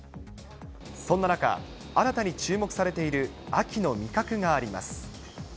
そんな中、新たに注目されている秋の味覚があります。